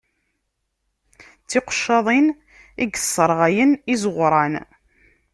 D tiqeccaḍin i yesserɣayen izeɣwṛan.